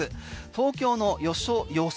東京の予想